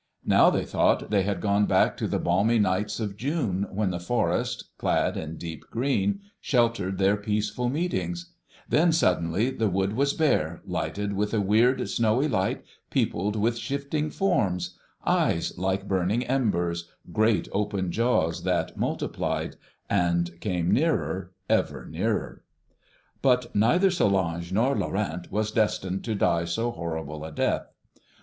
Now they thought they had gone back to the balmy nights of June when the forest, clad in deep green, sheltered their peaceful meetings, then suddenly the wood was bare, lighted with a weird snowy light, peopled with shifting forms, eyes like burning embers, great open jaws that multiplied, and came nearer, ever nearer. "But neither Solange nor Laurent was destined to die so horrible a death.